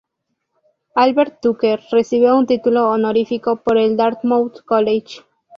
Albert Tucker recibió un título honorífico por el Dartmouth College.